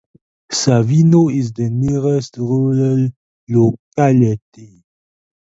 Savino is the nearest rural locality.